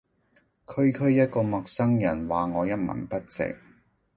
區區一個陌生人話我一文不值